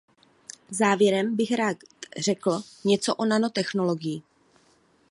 Závěrem bych rád řekl něco o nanotechnologii.